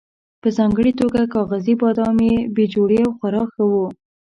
په ځانګړې توګه کاغذي بادام یې بې جوړې او خورا ښه وو.